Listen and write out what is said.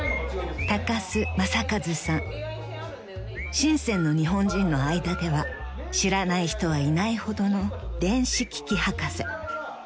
［深の日本人の間では知らない人はいないほどの電子機器博士］